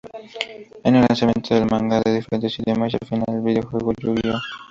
En el lanzamiento del manga en diferentes idiomas y al final del videojuego Yu-Gi-Oh!